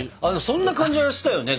そんな感じはしたよね！